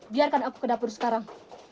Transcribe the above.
biarkan aku ke dapur sekarang